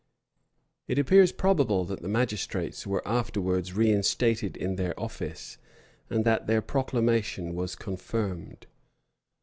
It appears probable, that the magistrates were afterwards reinstated in their office, and that their proclamation was confirmed.